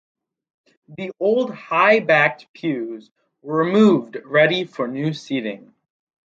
The old high backed pews were removed ready for new seating.